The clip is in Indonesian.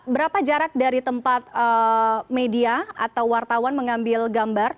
berapa jarak dari tempat media atau wartawan mengambil gambar